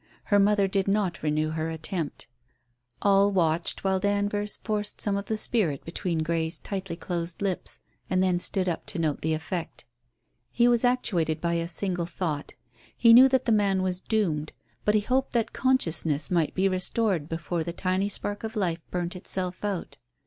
Her mother did not renew her attempt. All watched while Danvers forced some of the spirit between Grey's tightly closed lips and then stood up to note the effect. He was actuated by a single thought. He knew that the man was doomed, but he hoped that consciousness might be restored before the tiny spark of life burnt itself out.